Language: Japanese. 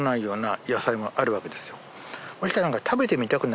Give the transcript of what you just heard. そうしたら。